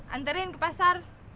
anterin ke pasar